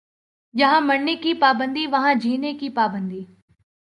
یہاں مرنے کی پابندی وہاں جینے کی پابندی